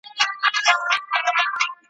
یو په بل پسې جامونه تر هغو